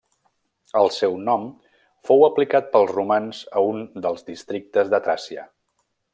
El seu nom fou aplicat pels romans a un dels districtes de Tràcia.